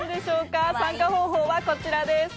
参加方法はこちらです。